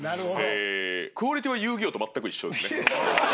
クオリティーは『遊戯王』と全く一緒ですね。